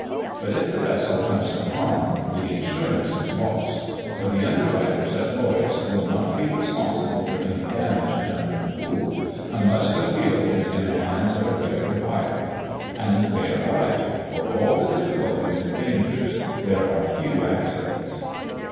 But if the vessel comes to harm, the insurance is lost; for the under writers at Lloyd's will not be responsible for any damage done in the pool, unless the wheel is in the hands of a regular pilot. And they are right, for with all the difficulties and dangers there are few accidents.